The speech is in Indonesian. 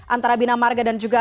antara bina marga dan juga